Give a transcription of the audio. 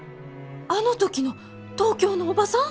あの時の東京の叔母さん！？